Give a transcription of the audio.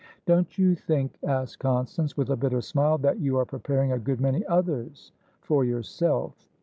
"Don't you think?" asked Constance, with a bitter smile, "that you are preparing a good many others for yourself?"